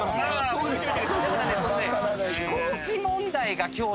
そうですか。